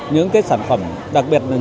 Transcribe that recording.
những sản phẩm đặc biệt là những